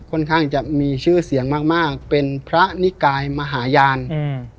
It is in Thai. ข้างจะมีชื่อเสียงมากมากเป็นพระนิกายมหาญาณอืม